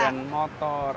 lalu ada motor